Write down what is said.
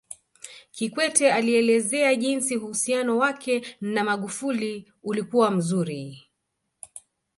Kikwete alielezea jinsi uhusiano wake na Magufuli ulikuwa mzuri